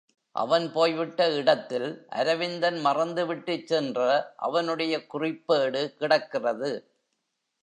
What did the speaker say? அவன் போய்விட்ட இடத்தில், அரவிந்தன் மறந்து விட்டுச்சென்ற அவனுடைய குறிப்பேடு கிடக்கிறது.